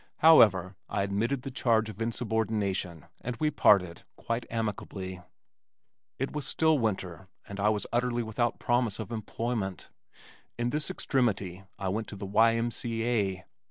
However, I admitted the charge of insubordination, and we parted quite amicably. It was still winter, and I was utterly without promise of employment. In this extremity, I went to the Y. M. C. A.